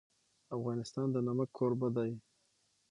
افغانستان د نمک کوربه دی.